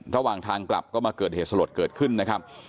ระหว่างทางกลับก็มาเกิดเหตุสลดเกิดขึ้นนะครับ